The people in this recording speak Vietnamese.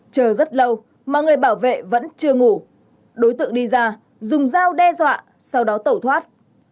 chờ rất lâu mà người bảo vệ vẫn chưa ngủ đối tượng đi ra dùng dao đe dọa sau đó tẩu thoát